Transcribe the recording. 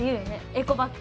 エコバッグ。